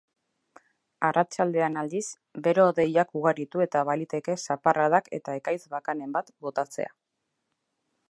Arratsaldean aldiz, bero-hodeiak ugaritu eta baliteke zaparradak eta ekaitz bakanen bat botatzea.